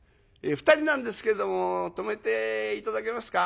「２人なんですけども泊めて頂けますか？」。